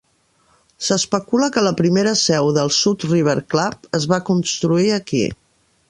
S'especula que la primera seu del South River Club es va construir aquí.